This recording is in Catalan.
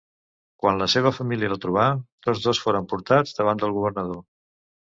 Quan la seva família la trobà, tots dos foren portats davant del governador.